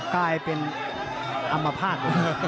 กลายเป็นอัมพาต